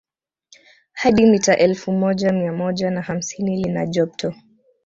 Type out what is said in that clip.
Hadi mita elfu moja mia moja na hamsini lina jopto